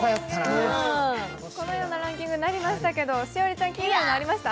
このようなランキングになりましたけど栞里ちゃん気になるのありました？